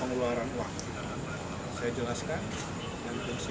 pertanyaan pertanyaan tadi khususnya adalah